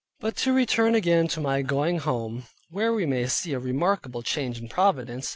But to return again to my going home, where we may see a remarkable change of providence.